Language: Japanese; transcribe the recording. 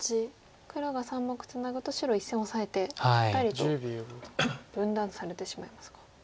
黒が３目ツナぐと白１線オサえてぴったりと分断されてしまいますか。